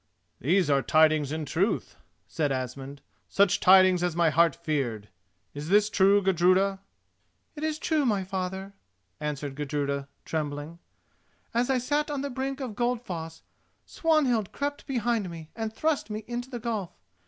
"These are tidings in truth," said Asmund—"such tidings as my heart feared! Is this true, Gudruda?" "It is true, my father," answered Gudruda, trembling. "As I sat on the brink of Goldfoss, Swanhild crept behind me and thrust me into the gulf.